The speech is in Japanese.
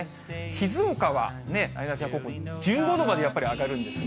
静岡はなえなのちゃん、１５度までやっぱり上がるんですが。